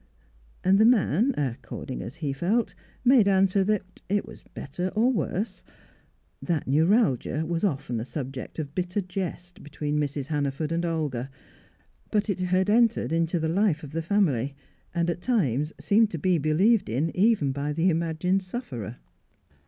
And the man, according as he felt, made answer that it was better or worse. That neuralgia was often a subject of bitter jest between Mrs. Hannaford and Olga, but it had entered into the life of the family, and at times seemed to be believed in even by the imagined sufferer.